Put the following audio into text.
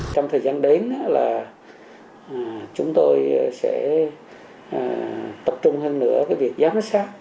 trong thời gian đến là chúng tôi sẽ tập trung hơn nữa cái việc giám sát